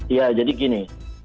iya jadi gini